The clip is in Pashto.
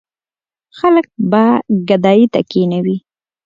خلک به ګدايۍ ته کېنوي.